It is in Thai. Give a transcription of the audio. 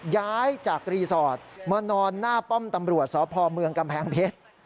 ย้ายจากรีสอร์ทมานอนหน้าป้อมตำรวจสพเมืองกำแพงเพชร